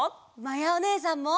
まやおねえさんも！